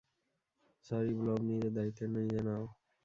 Sorry, blob, নিজের দায়িত্ব নিজে নাও।